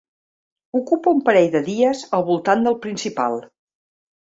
Ocupa un parell de dies al voltant del principal.